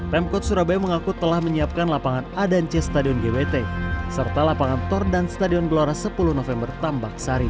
pemkot surabaya mengaku telah menyiapkan lapangan a dan c stadion gbt serta lapangan tor dan stadion gelora sepuluh november tambak sari